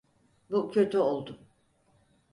Bu kötü oldu.